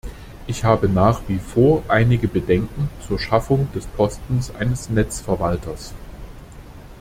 Ich habe nach wie vor einige Bedenken zur Schaffung des Postens eines Netzverwalters.